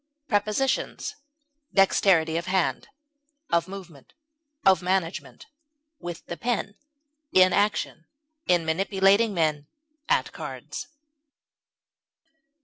Prepositions: Dexterity of hand, of movement, of management; with the pen; in action, in manipulating men; at cards.